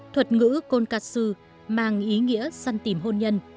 thuật ngữ konkatsu mang ý nghĩa săn tìm hôn nhân